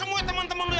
gua yang kutengah